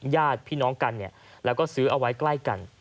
ญาติพี่น้องกันแล้วก็ซื้อเอาไว้ใกล้กัน